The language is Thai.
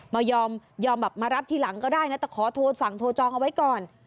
ไม่ยอมยอมแบบมารับทีหลังก็ได้นะแต่ขอโทรสั่งโทรจองเอาไว้ก่อน